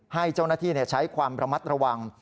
ให้เจ้าหน้าที่ใช้ความระมัดระวัง